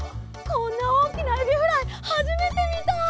こんなおおきなエビフライはじめてみた！